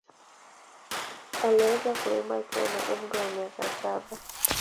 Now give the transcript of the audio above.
Alianza kuimba akiwa na umri wa miaka saba.